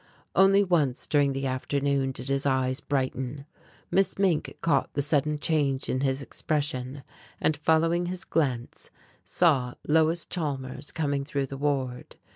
Only once during the afternoon did his eyes brighten. Miss Mink caught the sudden change in his expression and, following his glance, saw Lois Chalmers coming through the ward.